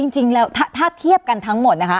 จริงแล้วถ้าเทียบกันทั้งหมดนะคะ